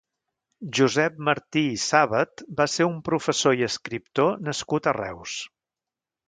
Josep Martí i Sàbat va ser un professor i escriptor nascut a Reus.